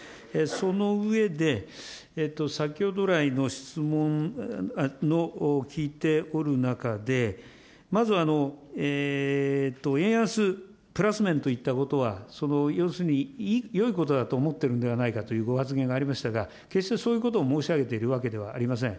その上で、先ほど来の質問の、聞いておる中で、まず円安、プラス面といったことは、要するに、よいことだと思ってるんではないかというご発言がありましたが、決してそういうことを申し上げているわけじゃありません。